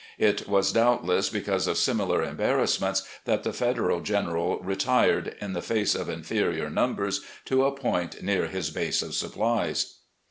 ... It was doubtless be cause of similar embarrassments that the Federal general retired, in the face of inferior numbers, to a point near his base of supplies."